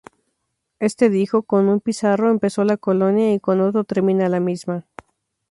Éste dijo "Con un Pizarro empezó la Colonia y con otro termina la misma".